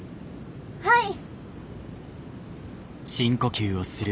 はい！